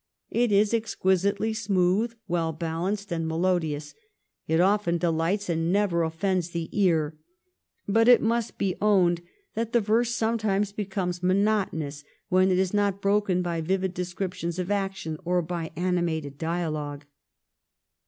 It is exquisitely smooth, well balanced and melodious ; it often delights and never offends the ear ; but it must be owned that the verse sometimes becomes monotonous when it is not broken by vivid descriptions of action or by ani mated dialogue.